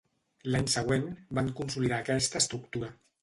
L'any següent, van consolidar aquesta estructura.